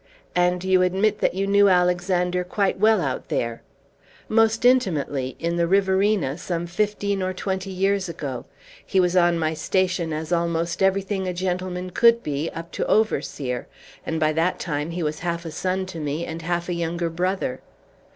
"And you admit that you knew Alexander quite well out there?" "Most intimately, in the Riverina, some fifteen or twenty years ago; he was on my station as almost everything a gentleman could be, up to overseer; and by that time he was half a son to me, and half a younger brother."